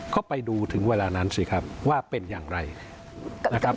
ก็ไปดูถึงเวลานั้นสิครับว่าเป็นอย่างไรนะครับ